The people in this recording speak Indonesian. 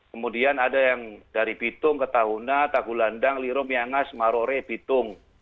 kemudian ada yang dari bitung ke tahuna tagulandang lirumyangas marore bitung